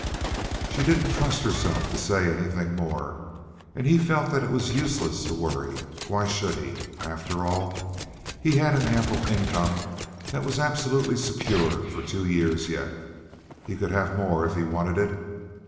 She didn't trust herself to say anything more, and he felt that it was useless to worry. Why should he? After all, he had an ample income that was absolutely secure for two years yet. He could have more if he wanted it.